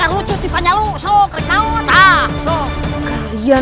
aku tidak tahu apakah kamu akan bekerja dengan aku atau tidak